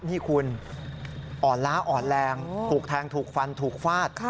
นี่คุณอ่อนล้าอ่อนแรงถูกแทงถูกฟันถูกฟาด